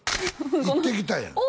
行ってきたんやお！